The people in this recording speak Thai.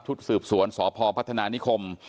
ชุดสืบสวนสพพัฒนานิคอล์